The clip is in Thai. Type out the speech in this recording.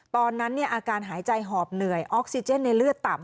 ตอนนั้นอาการหายใจหอบเหนื่อยออกซิเจนในเลือดต่ำ